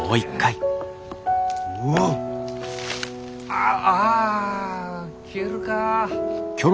ああ消えるかあ。